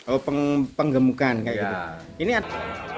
oh pengemukan kayak gitu